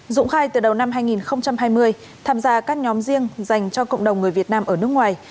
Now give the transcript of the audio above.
dũng khai từ đầu năm hai nghìn hai mươi tham gia các nhóm riêng dành cho cộng đồng người việt nam ở nước ngoài